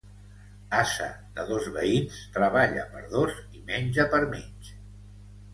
Ase de dos veïns treballa per dos i menja per mig.